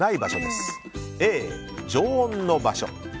Ａ、常温の場所